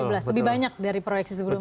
lebih banyak dari proyeksi sebelumnya